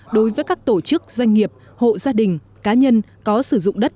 đối với các tổ chức doanh nghiệp hộ gia đình cá nhân có sử dụng đất